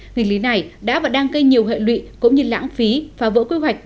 nghị lý này đã và đang gây nhiều hệ lụy cũng như lãng phí phá vỡ quy hoạch